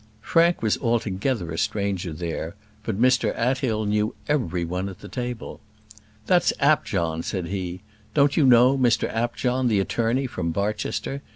Frank was altogether a stranger there, but Mr Athill knew every one at the table. "That's Apjohn," said he: "don't you know, Mr Apjohn, the attorney from Barchester?